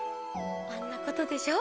あんなことでしょ